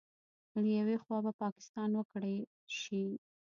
له یوې خوا به پاکستان وکړې شي